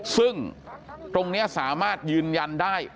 ซึ่งตรงนี้สามารถยืนยันได้